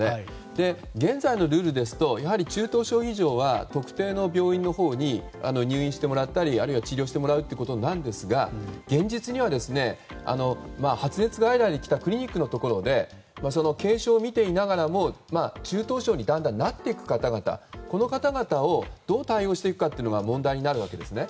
現在のルールだと中等症以上は特定の病院に入院してもらったり治療してもらうことになるんですが現実には発熱外来に来たクリニックのところで軽症とみていながらも中等症にだんだん、なる方この方々をどう対応していくかが問題になるわけですね。